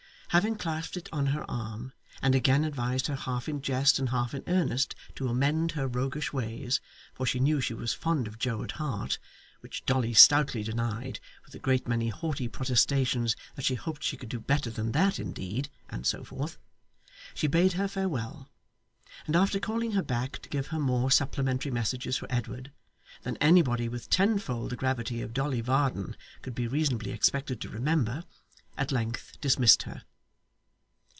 Having clasped it on her arm, and again advised her half in jest and half in earnest to amend her roguish ways, for she knew she was fond of Joe at heart (which Dolly stoutly denied, with a great many haughty protestations that she hoped she could do better than that indeed! and so forth), she bade her farewell; and after calling her back to give her more supplementary messages for Edward, than anybody with tenfold the gravity of Dolly Varden could be reasonably expected to remember, at length dismissed her.